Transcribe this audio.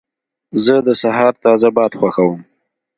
زه د سهار تازه باد خوښوم.